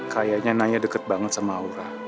kayaknya nanya deket banget sama aura